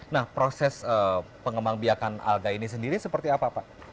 nah proses pengembang biakan alga ini sendiri seperti apa pak